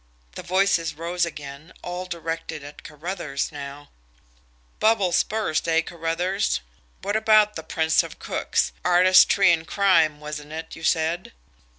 The voices rose again, all directed at Carruthers now. "Bubble's burst, eh, Carruthers? What about the 'Prince of Crooks'? Artistry in crime, wasn't it, you said?"